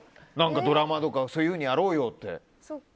ドラマとか、そういうふうにやろうよって。